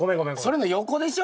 それの横でしょ。